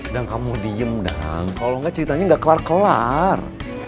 dang kamu diem dang kalau enggak ceritanya enggak kelar kelar